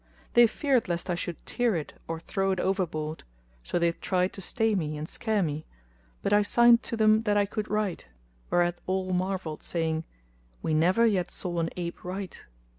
They feared lest I should tear it or throw it overboard; so they tried to stay me and scare me, but I signed to them that i could write, whereat all marvelled, saying, "We never yet saw an, ape write."